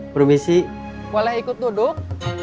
provisi boleh ikut duduk